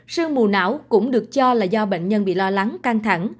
sương mù não cũng được cho là do bệnh nhân bị lo lắng căng thẳng